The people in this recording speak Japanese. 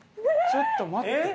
ちょっと待って。